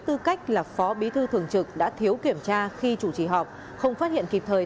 tư cách là phó bí thư thường trực đã thiếu kiểm tra khi chủ trì họp không phát hiện kịp thời